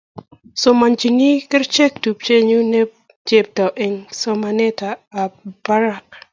Somanchini kerichek tupchenyu ne chepto eng' somanetab barak